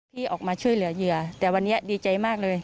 ที่ออกมาช่วยเหลือเหยื่อแต่วันนี้ดีใจมากเลย